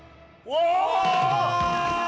お！